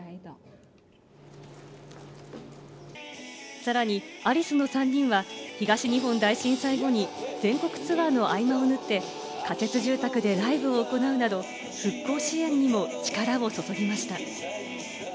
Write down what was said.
さらにアリスの３人は東日本大震災後に全国ツアーの合間をぬって、仮設住宅でライブを行うなど復興支援にも力を注ぎました。